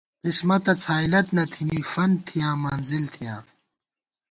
قِسمَتہ څھائیلَت نہ تھنی، فنت تھِیاں منزِل تھِیاں